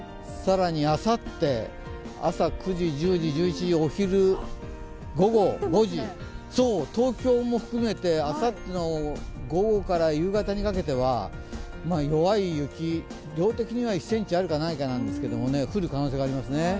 更にあさって、朝９時、１０時、１１時、お昼、午後５時東京も含めて、あさっての午後から夕方にかけては弱い雪、量的には１ｃｍあるかないかなんですが降る可能性がありますね。